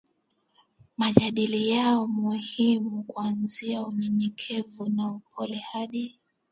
maadili yao maalumu kuanzia unyenyekevu na upole hadi